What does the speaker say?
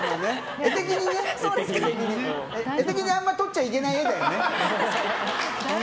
画的にあまり撮っちゃいけない画だよね。